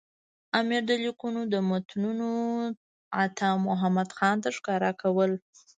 امیر د لیکونو متنونه عطامحمد خان ته ښکاره کول.